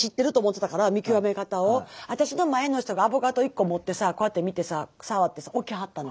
私の前の人がアボカド１個持ってさこうやって見てさ触ってさ置きはったの。